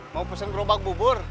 mau pesen gerobak bubur